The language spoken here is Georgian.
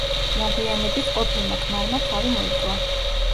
მოგვიანებით ყოფილმა ქმარმა თავი მოიკლა.